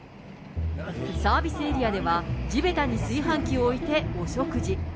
サービスエリアでは、地べたに炊飯器を置いてお食事。